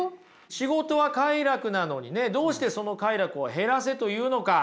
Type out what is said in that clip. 仕事は快楽なのにねどうしてその快楽を減らせと言うのか。